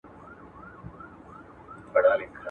يو څه خو وايه!